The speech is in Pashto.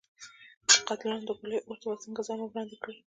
د قاتلانو د ګولیو اور ته به څنګه ځان ور وړاندې کړي.